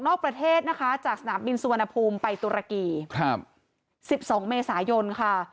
ออกประเทศนะคะจากสนามบินสุวรรณภูมิไปตุรกีครับสิบสองเมษายนค่ะ